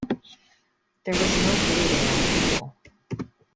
There was no bleeding on people.